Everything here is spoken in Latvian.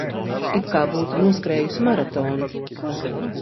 It kā būtu noskrējusi maratonu.